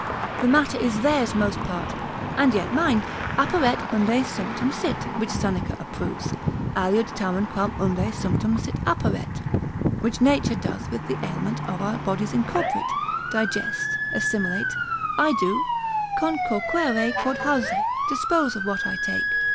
The matter is theirs most part, and yet mine, apparet unde sumptum sit (which Seneca approves), aliud tamen quam unde sumptum sit apparet, which nature doth with the aliment of our bodies incorporate, digest, assimilate, I do concoquere quod hausi, dispose of what I take.